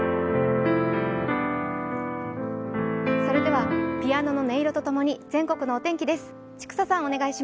それではピアノの音色とともに全国のお天気です。